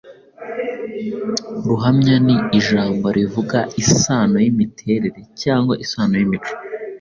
Ruhamya ni ijambo rivuga isano y’imiterere cyangwa isano y’imico